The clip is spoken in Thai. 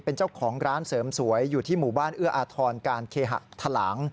เป็นเจ้าของร้านเสริมสวยอยู่ที่หมู่บ้านเอื้ออาทรการเคหะทะลาง